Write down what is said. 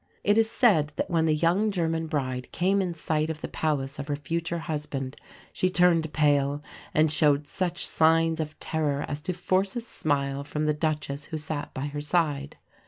It is said that when the young German bride came in sight of the palace of her future husband, she turned pale and showed such signs of terror as to force a smile from the Duchess who sat by her side.